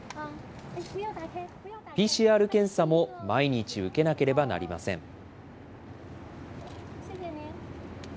ＰＣＲ検査も毎日受けなければなりません。